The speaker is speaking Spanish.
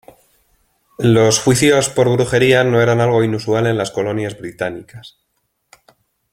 Los juicios por brujería no eran algo inusual en las Colonias Británicas.